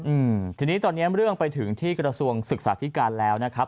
อืมทีนี้ตอนเนี้ยเรื่องไปถึงที่กระทรวงศึกษาธิการแล้วนะครับ